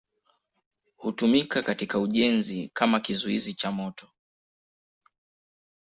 Hutumika katika ujenzi kama kizuizi cha moto.